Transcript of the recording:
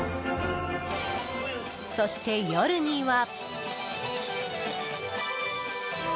そして夜には。